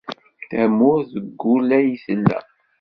Tamurt deg wul ay tella.